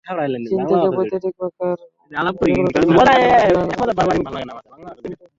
চীন থেকে বৈদ্যুতিক পাখার রেগুলেটরের সরঞ্জাম এনেছিল নারায়ণগঞ্জের সুপারস্টার ইলেকট্রিক্যাল এক্সেসরিজ লিমিটেড।